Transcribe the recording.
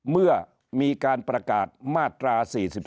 เมื่อมีการประกาศมาตรา๔๔